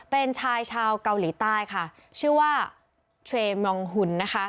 เป็นชายชาวเกาหลีใต้ชื่อว่าเชมยองหุ่น